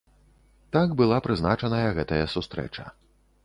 Так была прызначаная гэтая сустрэча.